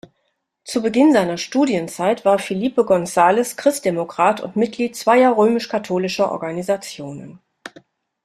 Zu Beginn seiner Studienzeit war Felipe González Christdemokrat und Mitglied zweier römisch-katholischer Organisationen.